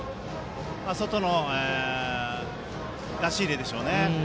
外の出し入れでしょうね。